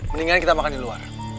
mendingan kita makan di luar